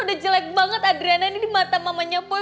udah jelek banget riana ini di mata mamanya boy